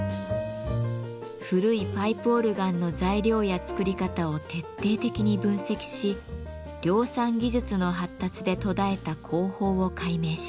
古いパイプオルガンの材料や作り方を徹底的に分析し量産技術の発達で途絶えた工法を解明します。